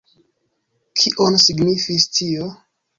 Kion signifis tio?